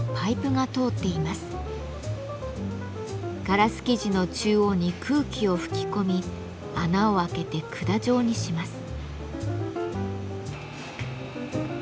ガラス素地の中央に空気を吹き込み穴を開けて管状にします。